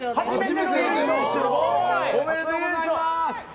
おめでとうございます。